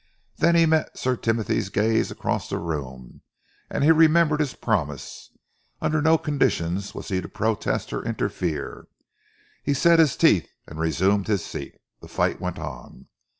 Then he met Sir Timothy's gaze across the room and he remembered his promise. Under no conditions was he to protest or interfere. He set his teeth and resumed his seat. The fight went on.